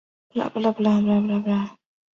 色木槭是无患子科槭属的植物。